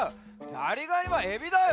ザリガニはエビだよ！